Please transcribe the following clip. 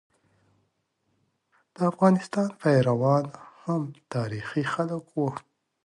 د افغانستان پيروان هم تاریخي خلک وو.